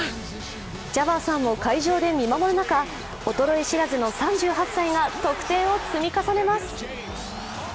ジャバーさんも会場で見守る中、衰え知らずの３８歳が得点を積み重ねます。